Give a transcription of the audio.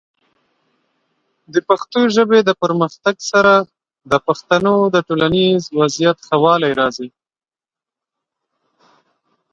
د پښتو ژبې د پرمختګ سره، د پښتنو د ټولنیز وضعیت ښه والی راځي.